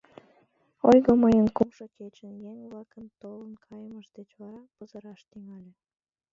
Ойго мыйым кумшо кечын, еҥ-влакын толын кайымышт деч вара, пызыраш тӱҥале.